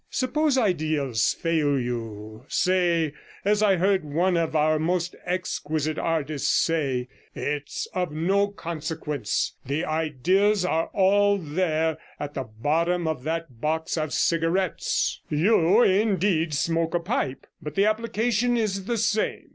Suppose ideas fail you, say, as I heard one of our most exquisite artists say, "It's of no consequence; the ideas are all there, at the bottom of that box of cigarettes!" You, indeed, smoke a pipe, but the application is the same.